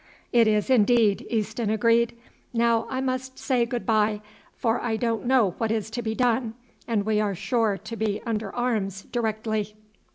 "It is, indeed," Easton agreed. "Now I must say good bye, for I don't know what is to be done, and we are sure to be under arms directly."